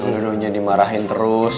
lo udah nanya dimarahin terus